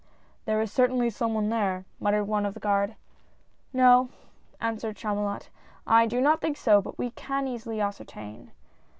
" There is certainly some one there," muttered one of the guard. "No," answered Chamulot, "I do not think so, but we can easily ascertain."